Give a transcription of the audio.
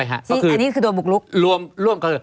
อันนี้คือโดยบุกลุก